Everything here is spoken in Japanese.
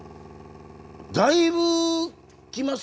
だいぶ来ますよ。